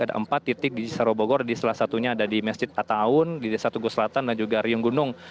ada empat titik di cisarobogor salah satunya ada di masjid atta'un di desa tugu selatan dan juga riung gunung